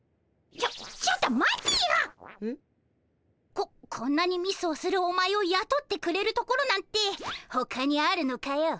ここんなにミスをするお前をやとってくれるところなんてほかにあるのかよ。